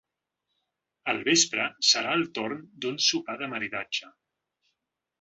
Al vespre serà el torn d’un sopar de maridatge.